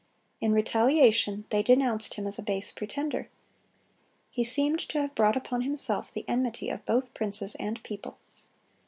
In retaliation they denounced him as a base pretender. He seemed to have brought upon himself the enmity of both princes and people.